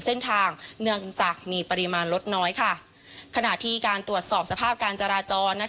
เส้นทางเนื่องจากมีปริมาณลดน้อยค่ะขณะที่การตรวจสอบสภาพการจราจร